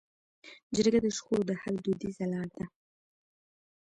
جرګه د شخړو د حل دودیزه لاره ده.